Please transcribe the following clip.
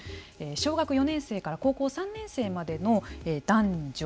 小学４年生から高校３年生までの男女